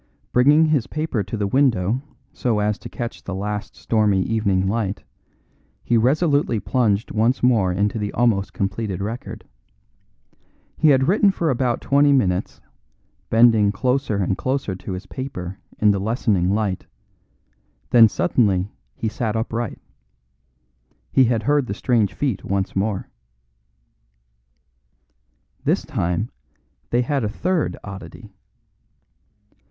Bringing his paper to the window so as to catch the last stormy evening light, he resolutely plunged once more into the almost completed record. He had written for about twenty minutes, bending closer and closer to his paper in the lessening light; then suddenly he sat upright. He had heard the strange feet once more. This time they had a third oddity.